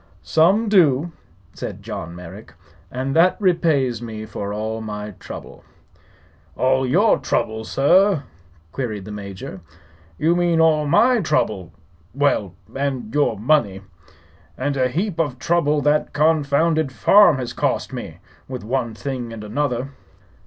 "Some do," said John Merrick; "and that repays me for all my trouble." "All your throuble, sir?" queried the Major; "you mane all my throuble well, and your money. And a heap of throuble that confounded farm has cost me, with one thing and another."